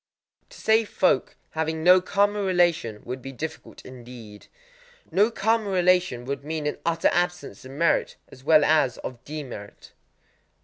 _ To save folk having no karma relation would be difficult indeed! No karma relation would mean an utter absence of merit as well as of demerit.